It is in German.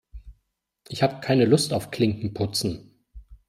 Ich habe keine Lust auf Klinken putzen.